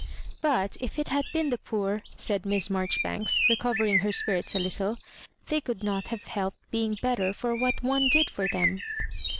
"But if it had been the poor," said Miss Mar joribanks, recovering her spirits a Httle, " they could not have helped being the better for what one did for them.